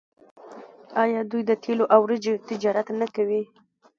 آیا دوی د تیلو او وریجو تجارت نه کوي؟